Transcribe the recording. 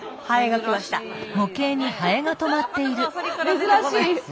珍しい。